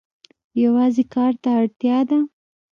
یوازې کار ته اړتیا ده.